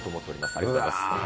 ありがとうございます。